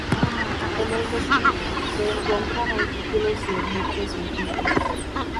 En el castillo se encuentran artículos y objetos antiguos.